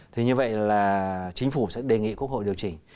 thì như vậy là chính phủ sẽ đề nghị quốc hội điều chỉnh